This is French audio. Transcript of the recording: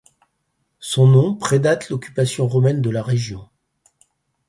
Son nom pré-date l'occupation romaine de la région.